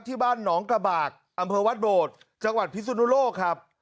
ที่บ้านหนองกระบากอำเภอวัดโบดจังหวัดพิสุนุโลกครับ